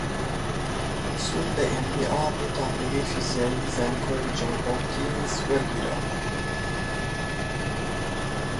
سود لە ئێن پی ئاڕ و تاقیگەی فیزیایی زانکۆی جۆن هۆپکینز وەرگیراوە